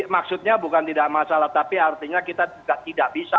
maksudnya bukan tidak masalah tapi artinya kita juga tidak bisa